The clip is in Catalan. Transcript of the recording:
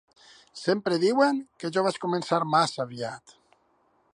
Sempre diuen que jo vaig començar massa aviat.